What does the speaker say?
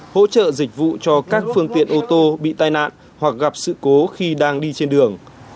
hỗ trợ dịch vụ cho các phương tiện ô tô bị tai nạn hoặc gặp sự cố khi đang đi trên đường